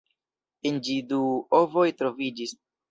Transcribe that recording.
En ĝi du ovoj troviĝis.